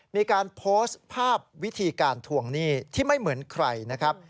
มีการโพสต์ภาพวิธีการทวงหนี้ที่ไม่เหมือนใครนะครับ